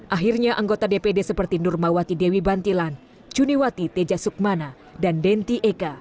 akhirnya anggota dpd seperti nurmawati dewi bantilan cuniwati teja sukmana dan denti eka